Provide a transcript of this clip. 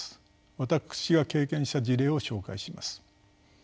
私が経験した事例を紹介します。